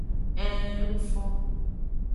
Ee ng fon.